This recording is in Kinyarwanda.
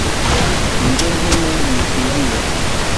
Indyo nkene ntikwiriye